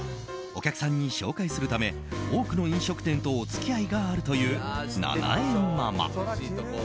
お客さんに紹介するため多くの飲食店とお付き合いがあるという菜々江ママ。